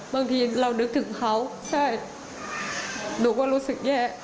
บางทีเรานึกถึงเขาใช่หนูก็รู้สึกแย่